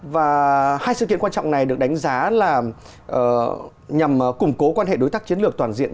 và hai sự kiện quan trọng này được đánh giá là nhằm củng cố quan hệ đối tác chiến lược toàn diện